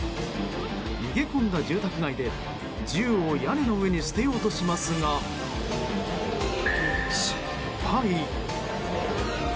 逃げ込んだ住宅街で銃を屋根の上に捨てようとしますが、失敗。